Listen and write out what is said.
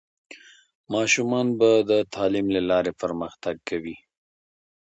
ماشومان به د تعلیم له لارې پرمختګ کوي.